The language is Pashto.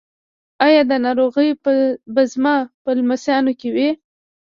ایا دا ناروغي به زما په لمسیانو کې وي؟